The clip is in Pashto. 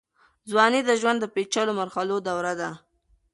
ځوانۍ د ژوند د پېچلو مرحلو دوره ده.